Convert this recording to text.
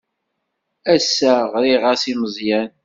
Ass-a ɣriɣ-as i Meẓyan.